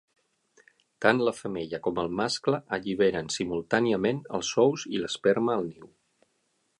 Tant la femella com el mascle alliberen simultàniament els ous i l'esperma al niu.